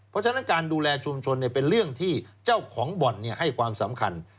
เพราะฉะนั้นการดูแลชุมชนเป็นเรื่องที่เจ้าของบ่อนให้ความสำคัญ